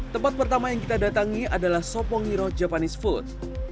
tempat pertama yang kita datangi adalah sopongiro japanese food